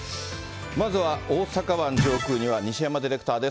まずは大阪湾上空には西山ディレクターです。